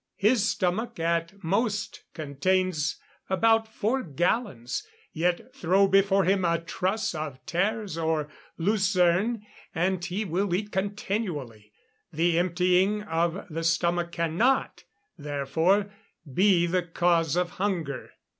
His stomach, at most, contains about four gallons, yet throw before him a truss of tares or lucerne, and he will eat continually. The emptying of the stomach cannot, therefore, be the cause of hunger.